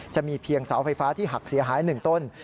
จะมีเพียงเสาไฟฟ้าที่หักเสียหาย๑ต้น